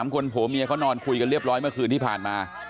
คนผัวเมียเขานอนคุยกันเรียบร้อยเมื่อคืนที่ผ่านมา